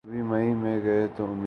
کبھی مئی میں گئے تو امید ہے۔